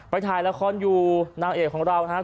ถ่ายละครอยู่นางเอกของเรานะครับ